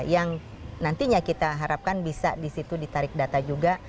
yang nantinya kita harapkan bisa disitu ditarik data juga